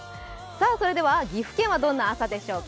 それでは岐阜県はどんな朝でしょうか。